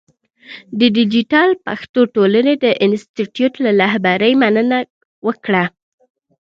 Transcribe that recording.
د دیجیټل پښتو ټولنې د انسټیټوت له رهبرۍ مننه وکړه.